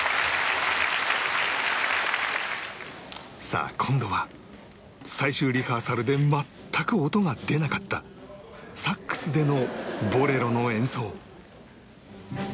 さあ今度は最終リハーサルで全く音が出なかったサックスでの『ボレロ』の演奏